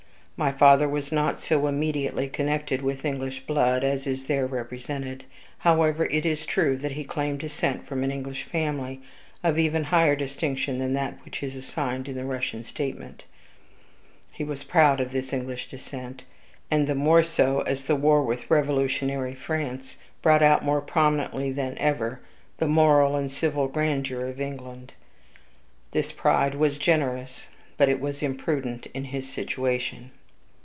My father was not so immediately connected with English blood as is there represented. However, it is true that he claimed descent from an English family of even higher distinction than that which is assigned in the Russian statement. He was proud of this English descent, and the more so as the war with revolutionary France brought out more prominently than ever the moral and civil grandeur of England. This pride was generous, but it was imprudent in his situation.